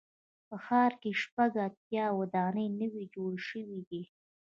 په ښار کې شپږ اتیا ودانۍ نوي جوړې شوې دي.